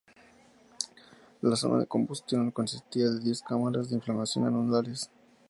La zona de combustión consistía de diez cámaras de inflamación anulares.